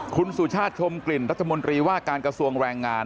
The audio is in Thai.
คุณสุชาติชมกลิ่นรัฐมนตรีว่าการกระทรวงแรงงาน